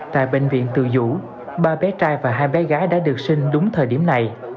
tại bệnh viện từ dũ ba bé trai và hai bé gái đã được sinh đúng thời điểm này